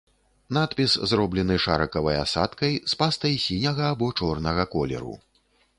Надпіс зроблены шарыкавай асадкай з пастай сіняга або чорнага колеру.